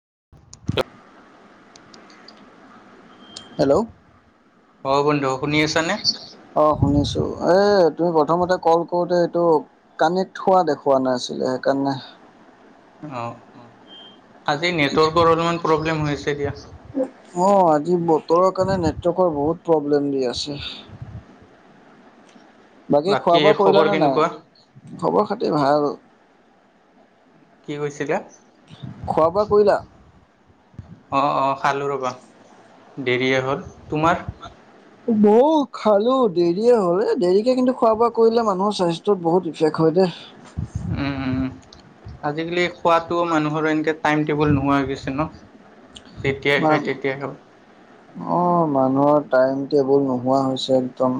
[unintelligible] Hello. অ', বন্ধু শুনি আছা নে? এই তুমি প্ৰথমতে কল কৰোঁতে এইটো কানেক্ট হোৱা দেখুওৱা নাছিলে সেইকাৰণে অ, অ, আজি নেটৱৰ্কৰোঁ অলপমান প্ৰব্লেম হৈ আছে দিয়া। অ আজি বতৰৰ কাৰণে নেটৱৰ্কৰ বহুত প্ৰব্লেম দি আছে। বাকী খোৱা বোৱা কৰিলা খবৰ নে কেনেকুৱা? নাই? খবৰ খাতি ভাল। কি কৈছিলা? খোৱা বোৱা কৰিলা অ', অ', খালো ৰবা। দেৰিয়ে হ'ল, তোমাৰ মইও খালো, দেৰিয়ে হ'ল এ, দেৰিকে কিন্তু খোৱা বোৱা কৰিলে মানুহৰ স্বাস্থ্য বহুত ইফেক্ট হয় দে। উম, উম, উম। আজিকালি খোৱাতো মানুহৰ এনেকে টাইম টেবুল নোহোৱা হৈ গৈছে ন? যেতিয়াই খায় মান, তেতিয়াই খাব। অ, মানুহৰ টাইম টেবুল নোহোৱা হৈছে একদম।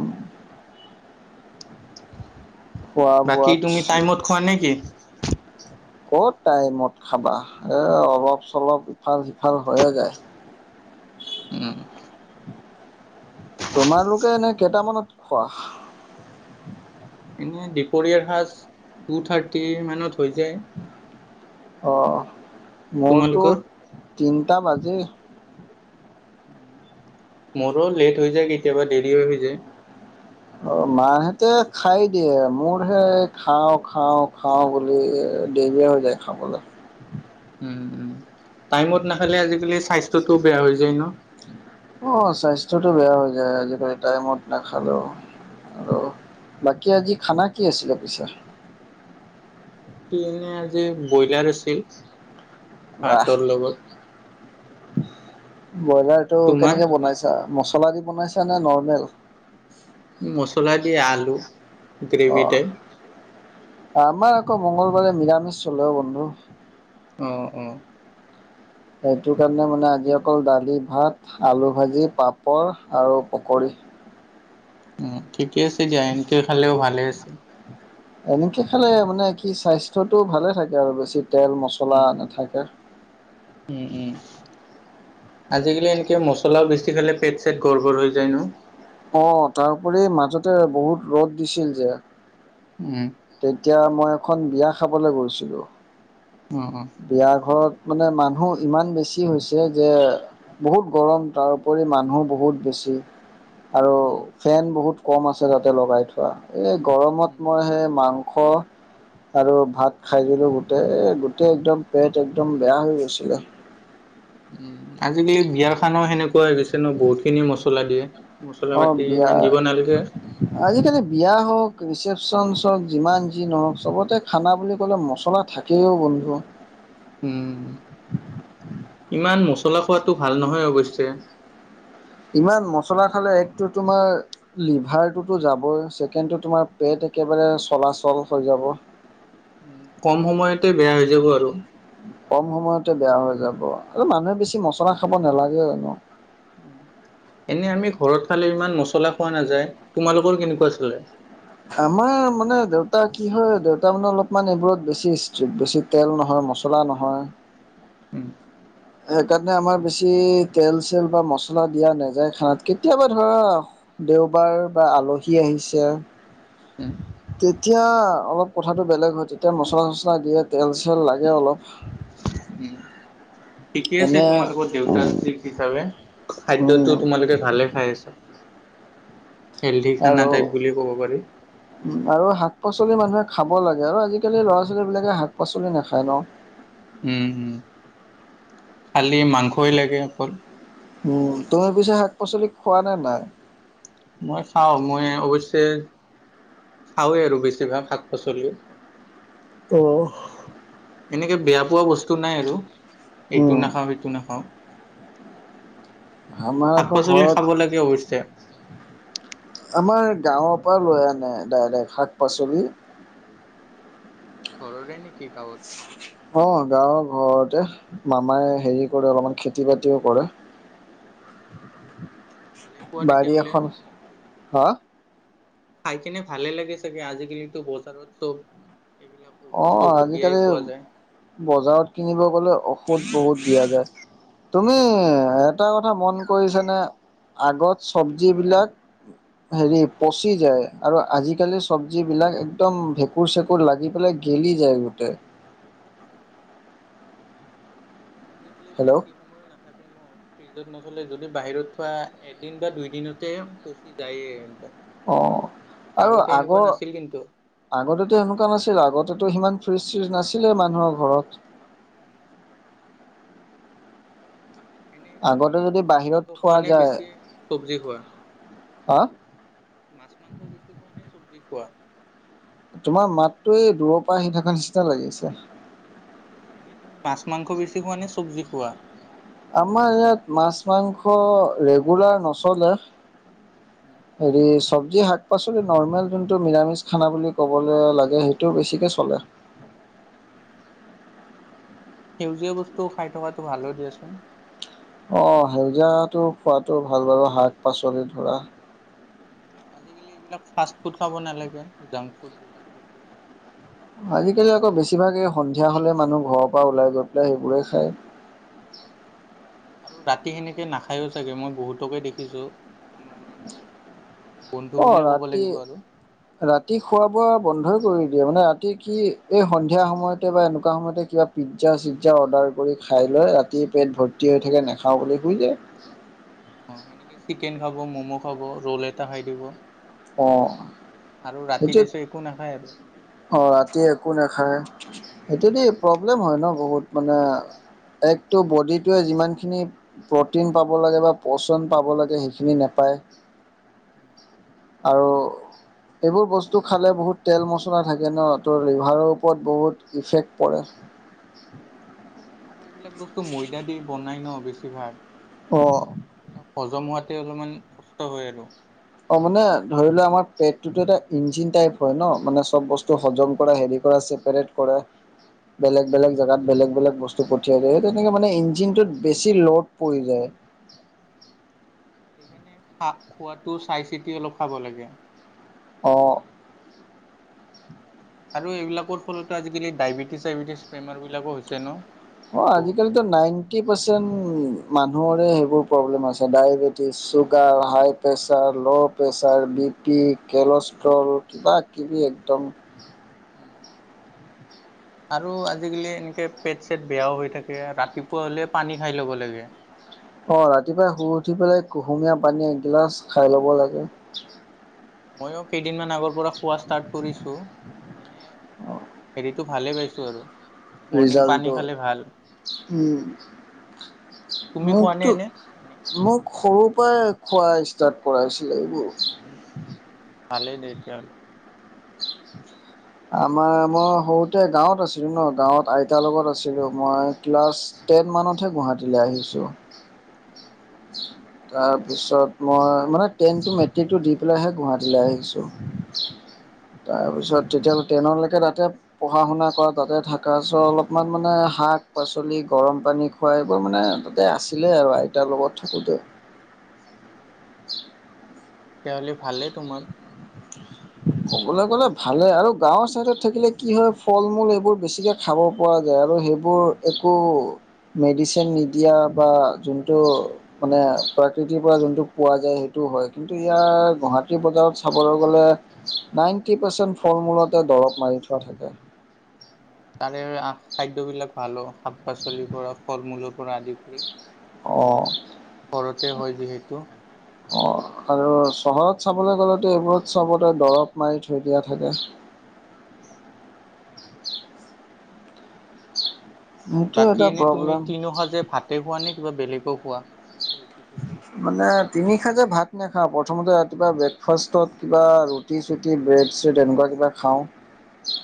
খোৱা বাকী বোৱাত তুমি টাইমত খোৱা নেকি? ক'ত টাইমত খাবা এ, অলপ চলপ ইফাল সিফাল হৈয়ে যায়। উম। তোমালোকে এনেই কেইটামানত খোৱা? [unintelligible] দুপৰীয়াৰ সাজ টু থাৰ্টি মানত হৈ যায়। অ', মোৰতো তোমালোকৰ? তিনিটা বাজেই। মোৰো লেট হৈ যায় কেতিয়াবা দেৰি হৈ হৈ যায়। মাহেঁতে খাই দিয়ে মোৰ হে খাওঁ খাও খাওঁ বুলি দেৰিয় হৈ যায় খাবলৈ। উম, উম, টাইমত নাখালে আজিকালি স্বাস্থ্যটোও বেয়া হৈ যায় ন! অ', স্বাস্থ্যটো বেয়া হৈ যায় আজিকালি টাইমত নাখালেও। আৰু বাকী আজি খানা কি আছিলে পিছে? বাকী এনে আজি ব্ৰইলাৰ আছিল, বাহ ভাতৰ লগত। ব্ৰইলাৰটো তোমাৰ? কেনেকে বনাইছা? মছলা দি বনাইছা নে নৰ্মেল? মছলা দি এ। আলু, গ্ৰেভি অ' টাইপ। আমাৰ আকৌ মংগলবাৰে নিৰামিষ চলে অ' বন্ধু। অ', অ'। সেইটো কাৰণে মানে আজি অকল ডালি ভাত, আলু ভাজি, পাপৰ আৰু পকৰী। উম, ঠিকেই আছে দিয়া। এনকে খালেও ভালে আছে। এনেকে খালে মানে কি, স্বাস্থ্যটো ভালে থাকে আৰু বেছি। তেল-মছলা উম, নাথাকে। উম, উম, আজিকালি এনকে মছলা বেছি খালে পেট-চেট গৰ্বৰ হৈ যায় ন? অ', তাৰোপৰি মাজতে বহুত ৰ'দ দিছিল যে, উম। তেতিয়া মই এখন বিয়া খাবলৈ গৈছিলো, অ', অ'। বিয়া ঘৰত মানে মানুহ ইমান বেছি হৈছে যে বহুত গৰম, তাৰোপৰি মানুহ বহুত বেছি। আৰু উম, ফেন বহুত কম আছে তাতে লগাই থোৱা। এই গৰমত উম, মই সেই মাংস মাংস আৰু ভাত খাই দিলো গোটেই, এই গোটেই গোটেই একদম পেট একদম বেয়া হৈ গৈছিলে। উ, আজিকালি বিয়াৰ খানাও সেনেকুৱা হৈ গৈছে ন'? বহুত খিনি মছলা দিয়ে। মছলা অ, পাতি বিয়া। ইমান দিব নালাগে। আজিকালি বিয়া হওঁক, ৰিচেপচন চব যিমান যি নহওঁক, চবতে খানা বুলি ক'লে মছলা থাকে অ' বন্ধু! উম। ইমান মছলা খোৱাটো ভাল নহয় অৱশ্যে। ইমান মছলা খালে একটো তোমাৰ লিভাৰটোতো যাবয়ে। চে কেণ্ডটো তোমাৰ উম, পেট একেবাৰে চলাচল হৈ যাব। কম সময়তে বেয়া হৈ যাব আৰু। কম সময়তে বেয়া হৈ যাব। আৰু মানুহে বেছি মছলা খাব নালাগে জানো! উম। এনে আমি ঘৰত খালে ইমান মছলা খোৱা নাযায়, তোমালোকৰ কেনেকুৱা চালে? আমাৰ মানে দেউতা কি হয়, দেউতা মানে অলপমান এইবোৰত বেছি স্ত্ৰিক্ট, বেছি তেল নহয়, মছলা নহয়। উম, সেইকাৰণে আমাৰ বেছি তেল-চেল বা মছলা দিয়া নেযাই খানাত, কেতিয়াবা ধৰা দেওবাৰ বা আলহী আহিছে, তেতিয়া অলপ কথাটো বেলেগ হয়, তেতিয়া মছলা-চচলা দিয়ে, তেল-চেল লাগে অলপ। উম। ঠিকে আছে, এনে তোমালোকৰ দেউতা ষ্ট্ৰিক্ট হিচাপে। খাদ্যটো উম তোমালোকে ভালে খাই আছা। হেল্ডি খানা আৰু, টাইপ বুলি ক'ব পাৰি। উ-আৰু শাক-পাচলি মানুহে খাব লাগে আৰু আজিকালি ল'ৰা-ছোৱালীবিলাকে শাক-পাচলি নাখাই ন'? উম, উম। খালি মাংসই লাগে অকল। উম, তুমি পিছে শাক-পাচলি খোৱা নে নাই? মই খাওঁ। মই অৱশ্যে খাওঁৱেই আৰু বেছিভাগ শাক-পাচলিও। অহ। এনেকে বেয়া পোৱা বস্তু নাই আৰু, এইটো উম নাখাওঁ সেইটো নাখাওঁ। আমাৰ আকৌ শাক-পাচলি ঘৰত খাব লাগে অৱশ্যে। আমাৰ গাঁৱৰ পৰা লৈ আনে ডাইৰেক্ট, শাক-পাচলি। ঘৰৰে নেকি গাঁৱত। অ' গাঁৱৰ ঘৰতে মামাই হেৰি কৰে অলপমান খেতি বাতিও কৰে। ভালেই পোৱা বাৰী তেতিয়াহ'লে। এখন হা খাই কিনে ভালে লাগে চাগে আজিকালিতো বজাৰত চ'ব। এইবিলাক ঔষধ অ' চৌষধ দিয়াই আজিকালি পোৱা যায়। বজাৰত কিনিব গ'লে ঔষধ বহুত। দিয়া যায়, তুমি এটা কথা মন কৰিছ নে। আগত চব্জিবিলাক। হেৰি পচি যায় আৰু আজিকালি চব্জি বিলাক একদম ভেঁকুৰ চেকুৰ লাগি পেলাই। গেলি যায় গোটেই। আহ' অ'। আজিকালি হেল্ল' বেছি সময়ো নাথাকে ন ফ্ৰিজত ন। লে যদি বাহিৰত থোৱা এদিন বা দুই দিনতে পচি যায়ে এক দম। অ' আৰু আগৰ নাছিল কিন্তু। আগতেতো এনেকুৱা নাছিল আগতেতো সিমান। ফ্ৰিজ চিজ নাছিলে মানুহৰ ঘৰত। এনেই তুমি আগতে যদি মাছ, বাহিৰত মাংস খোৱা থোৱা নে যায় বেছি চব্জি খোৱা। হা মাছ, মাংস বেছি খোৱা নে চব্জি খোৱা। তোমাৰ মাতটো এই দূৰৰ পৰা আহি থকা নিচিনা লাগিছে। অ' এনেই তুমি মাছ, মাংস বেছি খোৱা নে চব্জি খোৱা। আমাৰ ইয়াত মাছ, শুনিছানে? মাংস ৰেগুলাৰ নচলে। উম, হেৰিচ। চব্জি শাক পাচলি নৰ্মেল যোনটো নিৰামিষ খানা বুলি ক'বলৈ লাগে, সেইটো বেছিকৈ চলে। আহ' সেউজীয়া বস্তু খাই থকাতো ভালো দিয়াচোন। অ' সেউজীয়াটো খোৱাতটো ভাল বাৰু শাক পাচলি ধৰা। আজিকালি এইবিলাক ফাৰ্ষ্ট ফুড খাব নালাগে। জাংক ফুড বিলাক বেছি। আজিকালি আকৌ বেছিভাগেই সন্ধিয়া হ'লে মানুহ ঘৰৰ পৰা ওলাই গৈ পেলাই সেইবোৰেই খায়। [inaudible] আৰু ৰাতি সেনেকে নাখায়ো চাগে মই বহুতকে দেখিছো আমাৰ এনেকে। বন্ধু অ' বুলিয়ে ক'ব ৰাতি লাগিব আৰু। ৰাতি খোৱা বোৱা বন্ধই কৰি মানে ৰাতি কি এই সন্ধিয়া সময়তে বা এনেকুৱা সময়তে কিবা পিজ্জা চিজ্জা অৰ্ডাৰ কৰি খাই। ৰাতি পেট ভৰ্তি হৈ থাকে নাখাওঁ বুলি শুই দে। অ' সেনেকে চিকেন খাব, মম' খাব ৰ'ল এটা খাই দিব। অ' আৰু ৰাতি সেইটোত তাৰপিছত একো নাখায় আৰু। অ' ৰাতি একো নাখায়। সেইটো দে প্ৰব্লেম হয় ন' বহুত মানে এক ত' বডিটোৱে যিমানখিনি প্ৰ'টিন পাব লাগে বা প্ৰচণ পাব লাগে সেইখিনি নাপায়। [inaudible] আৰু এইবোৰ বস্তু খালে বহুত তেল-মছলা থাকে ন' ত' লিভাৰৰ ওপৰত বহুত ইফেক্ট পৰে। [inaudible] আৰু এইবিলাক বস্তু ময়দা দি বনাই ন' বেছিভাগ। অ' এইবিলাক হজম হোৱাতে অলপমান কষ্ট হয় আৰু। অ' মানে ধৰি লোৱা আমাৰ পেটটোতো এটা ইঞ্জিন টাইপ হয় ন' মানে চ'ব বস্তু হজম কৰা হেৰি পৰা ছেপাৰেট কৰা। বেলেগ বেলেগ জেগাত বেলেগ বেলেগ বস্তু পঠিয়াই দিয়ে, হেতু কিন্তু মানে ইঞ্জিনটোত বেছি লড পৰি যায়। [inaudible] সেইকাৰণে খা' খোৱাটো চাই চিতি অলপ খাব লাগে। অ' আৰু এইবিলাকৰ ফলতো আজিকালি ডায়বেটিছ চাইবেটিছ বেমাৰ বিলাকো হৈছে ন'। অ', বহুতৰে। আজিকালিটো নাইনটি পাৰ্চেণ্ট মান মানুহৰে সেইবোৰ প্ৰব্লেম আছে diabetes sugar high pressure low pressure B P cholesterol কিবা কিবি একদম। উম, আৰু আজিকালি এনেকে পেট চেট বেয়াও হৈ থাকে ৰাতিপুৱা হ'লে পানী খাই ল'ব লাগে। অ', ৰাতিপুৱাই শুই উঠি পেলাই কুহুমীয়া পানী এগিলাচ খাই ল'ব লাগে। ময়ো কেইদিনমান আগৰ পৰা খোৱা ষ্টাৰ্ট কৰিছো, এনে হেৰিটো ভালে পাইছো আৰু। মৰ্ণিং পানী ৰিজাল্টটো খালে ভাল উম, তুমি খোৱানে মোকটো এনে পানী? মোক সৰু পাৱায়ে খোৱা ষ্টাৰ্ট কৰাইছিলে এইবোৰ। উম, ভালেই তেতিয়াহলে। আমাৰ মই সৰুতে গাঁৱত আছিলোঁ ন' গাঁৱত আইতাৰ লগত আছিলোঁ মই ক্লাছ টেন মানতহে গুৱাহাটীলৈ আহিছোঁ। [inaudible] তাৰপিছত মই মানে টেনটো মেট্ৰিকটো দি পেলাইহে গুৱাহাটীলৈ আহিছোঁ। তাৰপিছত তেতিয়ালৈকে টেনলৈকে তাতে পঢ়া শুনা কৰা তাতে থাকা চ' অলপমান মানে শাক পাচলি গৰম পানী খোৱাই বোৰ মানে তাতে আছিলে আৰু আইতাৰ লগত থাকোঁতে। তেতিয়াহলে ভালেই তোমাৰ। ক'বলৈ গ'লে ভালে আৰু গাঁৱৰ চাইডত থাকিলে কি হয় ফল মূল এইবোৰ বেছিকে খাব পৰা যায় আৰু সেইবোৰ একো মেডিচিন নিদিয়া বা যোনটো মানে প্ৰাকৃতিৰ পৰা যোনটো পোৱা যায় সেইটো হয়, কিন্তু ইয়াৰ গুৱাহাটী বজাৰত চাবলৈ গ'লে নাইণ্টি পাৰ্চেণ্ট ফল মূলতে দৰৱ মাৰি থোৱা থাকে। তাৰে খাদ্যবিলাক ভালো শাক পাচলিৰ পৰা ফল মূলৰ পৰা আদি কৰি। অ', ঘৰতে হয় যিহেতু। অঁ আৰু চহৰত চাবলৈ গ'লেতো এইবোৰত চবতে দৰৱ মাৰি থৈ দিয়া থাকে। উম, [inaudible] বাকী এটা এনে তুমি প্ৰব্লেম তিনোসাজে ভাতে খোৱা নে কিবা বেলেগো খোৱা? ৰুটি চুটি মানে তিনিশা যে ভাত নেখাওঁ প্ৰথমতে কিবা ব্ৰেকফাষ্টত কিবা ৰুটি চুটি ব্ৰেড চ্ৰেড এনেকুৱা কিবা খাওঁ।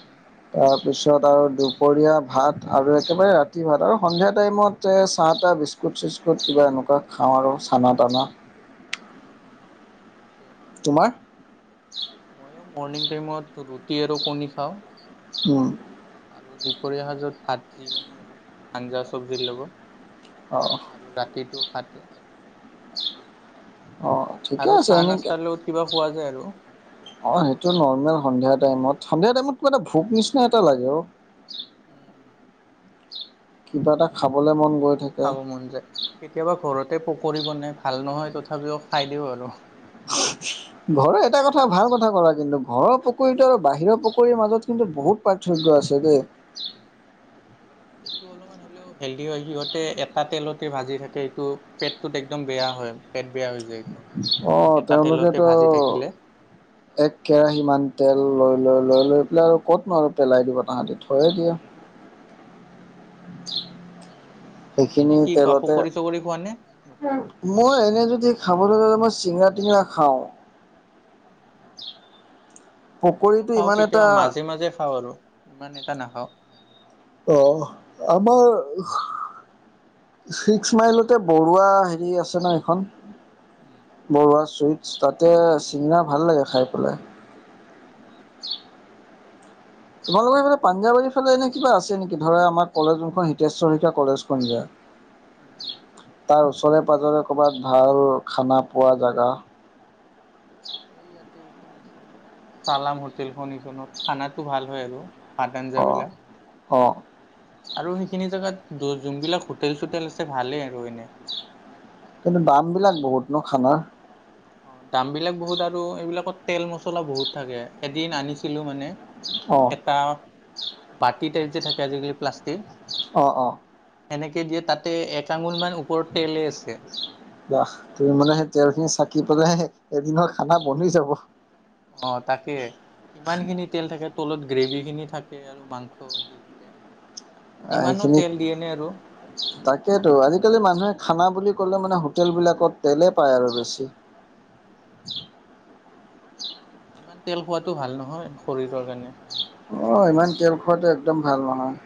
উম অ', পিছত আৰু দুপৰীয়া ভাত আৰু একেবাৰে ৰাতি ভাত আৰু সন্ধিয়া টাইমত এ চাহ তাহ বিস্কুট। বিস্কুট চিস্কুট কিবা এনেকুৱা খাওঁ আৰু চানা তানা। উম, উম, তোমাৰ ময়ো মৰ্ণিং টাইমত ৰুটি আৰু কণী খাওঁ। উম আৰু দুপৰীয়া সাজত ভাত যি বনে আৰু আঞ্জা চব্জিৰ অ লগত আৰু ৰাতিটো ফাটে অ', ঠিকে আৰু আছে চাহ এনেকে। নাস্তাৰ লগত কিবা খোৱা যায় আৰু। অ', সেইটো নৰ্মেল সন্ধিয়া টাইমত সন্ধিয়া টাইমত কিবা এটা ভোক নিচিনা এটা লাগে অ', উম, কিবা এটা খাবলে মন গৈ থাকে খাব মন যায় কেতিয়াবা ঘৰতে পকৰি বনাই ভাল নহয় তথাপিও খাই দিওঁ আৰু। [inaudible] ঘৰৰ এটা কথা ভাল কথা কৰা কিন্তু ঘৰৰ পকৰিটো আৰু বাহিৰৰ পকৰিৰ মাজত কিন্তু বহুত পা পার্থক্য আছে দেই। এইটো অলপমান হ'লেও হেলদি হয়, সিহঁতে এটা তেলত তে ভাজি থাকে, এইটো পেটটোত একদম বেয়া হয় পেট বেয়া হৈ যায়। এইটো। অ', এটা তেলতে তেওঁলোকেতো ভাজি থাকিলে। আৰু এক কেৰাহী মান তেল লৈ - লৈ - লৈ - লৈ আৰু ক'তনো আৰু পেলাই দিব তাহাঁতি থৈয়ে দিয়ে। তুমি এনে সেইখিনি কি খোৱা তেলতে পকৰি চকৰি খোৱা নে নোখোৱা? মই এনে যদি খাবলৈ গ'লে মই চিঙৰা টিঙৰা খাওঁ। ময়ো পকৰীটো খাওঁ ইমান এটা কেতিয়াবা মাজে মাজে খাওঁ আৰু ইমান এটা নাখাওঁ। অ', আমাৰ ছিক্স মাইলতে বৰুৱা হেৰি আছে ন এইখন উম বৰুৱা চুইটছ তাতে উম উম চিঙৰা ভাল লাগে খাই পেলাই। অ', অ', তোমালোকৰ এইফালে পাঞ্জাৱাৰীৰ ফালে এনে কিবা আছে নেকি ধৰা আমাৰ কলেজখন হিতেশ্বৰ শইকীয়া কলেজখন যে? উম উম তাৰ ওচৰে পাজৰে ক'ৰবাত ভাল খানা পোৱা জাগা এই ইয়াতে এইখন আছে ন চালাম হোটেলখন এইখনত খানাটো ভাল হয় আৰু। ভাত আঞ্জ অ'। বিলাক অ', আৰু সেইখিনি জেগাত যোনবিলাক হোটেল চোটেল আছে ভালেই আৰু এনে। কিন্তু দামবিলাক বহুত ন' খানাৰ? অ', দাম বিলাক বহুত আৰু এইবিলাকত তেল মছলা বহুত থাকে এদিন আনিছিলো মানে। অ', এটা বাতি টাইপ যে থাকে আজিকালি প্লাষ্টিক অ', অ', এনেকে দিয়ে তাতে এক আঙুল মান ওপৰত তেলে আছে তুমি মানে সেই তেল খিনি চাক কি পেলাই এদিনৰ খানা বনি যাব। অ' তাকে ইমান খিনি তেল থাকে তলত গ্ৰেভি খিনি থাকে আৰু মাংস দি থাকে। ইমানো সেইখিনি তেল দিয়ে নে আৰু তাকেইতো আজিকালি মানুহে খানা বুলি ক'লে মানে হোটেলবিলাকত তেলেই পায় আৰু বেছি। [inaudible] ইমান তেল খোৱাটো ভাল নহয় শৰীৰৰ কাৰণে। অ', ইমান তেল খোৱাটো একদম ভাল নহয়।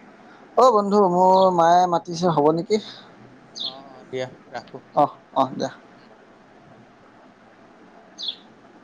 অ', বন্ধু মোৰ মায়ে মাতিছে হব নেকি। অ', অ', দিয়া ৰাখো অহ, অহ, দিয়া। উম, [inaudible]